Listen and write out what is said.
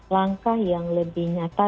langkah yang lebih nyata